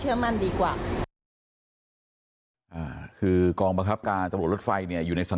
แต่คุณป้าก็ได้ยินข่าวอยู่นะว่าเขามีตำรวจรถไฟไปแล้วนะค่ะ